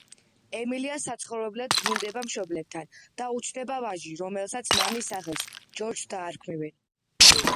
ემილია საცხოვრებლად ბრუნდება მშობლებთან და უჩნდება ვაჟი, რომელსაც მამის სახელს ჯორჯს დაარქმევენ.